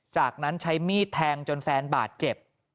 จากนั้นใช้มีดแทงจนแฟนบาดเจ็บ